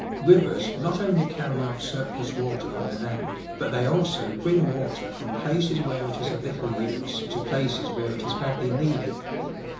Rivers not onh^ carry off surplus water from the land, but they also bring water from places where it is of little use to places where it is badly needed.